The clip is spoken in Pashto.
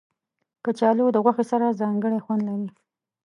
کچالو د غوښې سره ځانګړی خوند لري